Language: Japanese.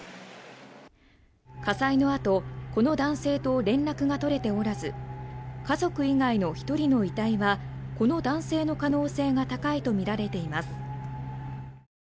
火災のあとこの男性と連絡が取れておらず家族以外の１人の遺体はこの男性の可能性が高いとみられています。